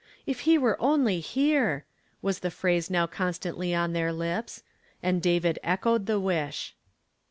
" If he were only here !" was the phrase now constantly on their lips ; and David echoed the wish.